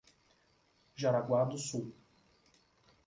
Jaraguá do Sul